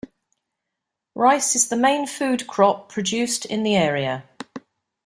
Rice is the main food crop produced in the area.